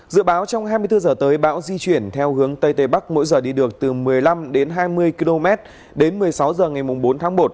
dự báo trong hai mươi bốn h tới bão di chuyển theo hướng tây tây bắc mỗi giờ đi được từ một mươi năm đến hai mươi km đến một mươi sáu h ngày bốn tháng một